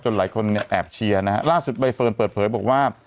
หลายคนเนี่ยแอบเชียร์นะฮะล่าสุดใบเฟิร์นเปิดเผยบอกว่า